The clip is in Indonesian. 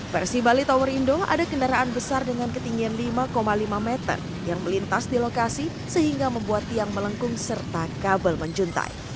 versi bali tower indo ada kendaraan besar dengan ketinggian lima lima meter yang melintas di lokasi sehingga membuat tiang melengkung serta kabel menjuntai